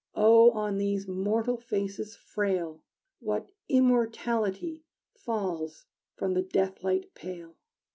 Oh, on these mortal faces frail What immortality Falls from the death light pale!